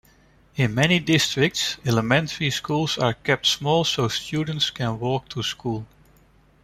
In many districts, elementary schools are kept small so students can walk to school.